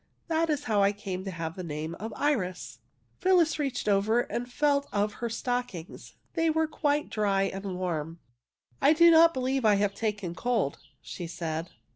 That is how I came to have the name of Iris." Phyllis reached over and felt of her stock ings. They were quite dry and warm. ^' I do not believe I have taken cold," she said.